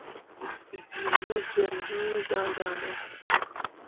Bii mu zen iŋ yo daŋdaŋ ne ?